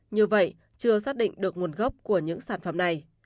như vậy chưa xác định được nguồn gốc của những sản phẩm này